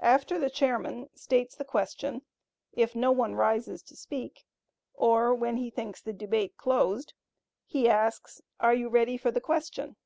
After the chairman states the question, if no one rises to speak, or when he thinks the debate closed, he asks, "Are you ready for the question?"